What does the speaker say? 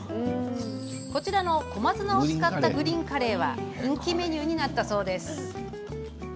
こちらの、小松菜を使ったグリーンカレーは人気メニューになったそう。